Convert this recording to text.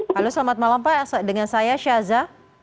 halo selamat malam pak dengan saya syaza